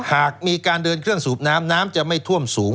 หากมีการเดินเครื่องสูบน้ำน้ำจะไม่ท่วมสูง